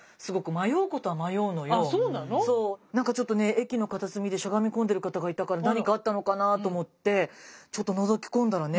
駅の片隅でしゃがみ込んでる方がいたから何かあったのかなと思ってちょっとのぞき込んだらね